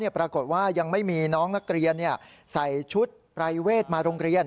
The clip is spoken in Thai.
ปรากฏว่ายังไม่มีน้องนักเรียนใส่ชุดปรายเวทมาโรงเรียน